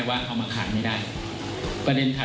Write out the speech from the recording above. มีความรู้สึกว่ามีความรู้สึกว่า